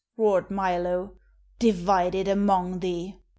roared Milo. "Divide it among thee!"